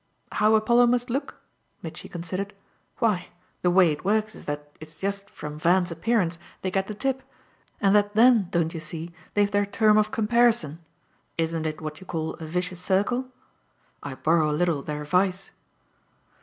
"How Apollo must look?" Mitchy considered. "Why the way it works is that it's just from Van's appearance they get the tip, and that then, don't you see? they've their term of comparison. Isn't it what you call a vicious circle? I borrow a little their vice."